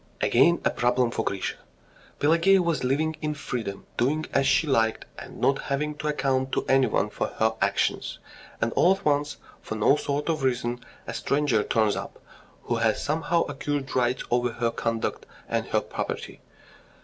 Again a problem for Grisha: Pelageya was living in freedom, doing as she liked, and not having to account to anyone for her actions, and all at once, for no sort of reason, a stranger turns up, who has somehow acquired rights over her conduct and her property!